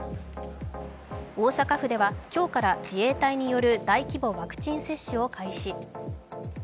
大阪府では今日から自衛隊による大規模ワクチン接種を開始。